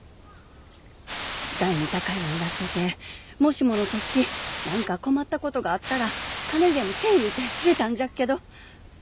がいに高いもんらしゅうてもしもの時何か困ったことがあったら金にでもせえ言うてくれたんじゃけど。